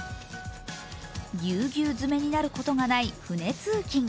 ぎゅうぎゅう詰めになることがない船通勤。